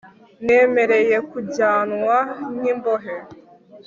Nemereye kujyanwa nkimbohe